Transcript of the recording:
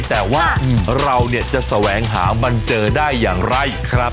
แต่ว่าเราเนี่ยจะแสวงหามันเจอได้อย่างไรครับ